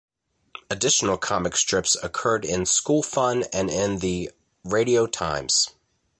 Additional comic strips occurred in "School Fun" and in the "Radio Times".